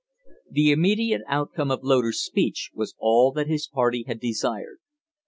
The immediate outcome of Loder's speech was all that his party had desired.